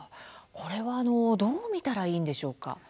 これはどう見たらいいんでしょうか。